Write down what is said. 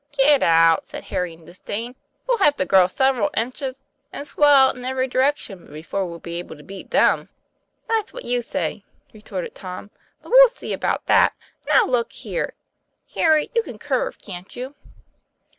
"Get out!" said Harry in disdain. "We'll have to grow several inches, and swell out in every direc tion, before we'll be able to beat them." 'That's what you say," retorted Tom. "But we'll see about that. Now, look here! Harry, you can curve, can't you?"